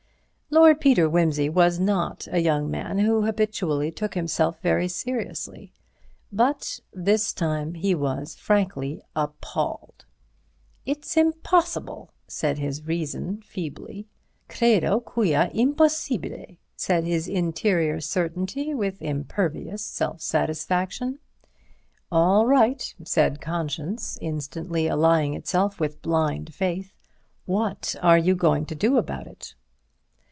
Lord Peter Wimsey was not a young man who habitually took himself very seriously, but this time he was frankly appalled. "It's impossible," said his reason, feebly; "credo quia impossibile," said his interior certainty with impervious self satisfaction. "All right," said conscience, instantly allying itself with blind faith, "what are you going to do about it?"